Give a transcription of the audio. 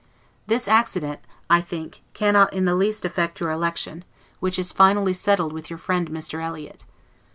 This accident, I think, cannot in the least affect your election, which is finally settled with your friend Mr. Eliot.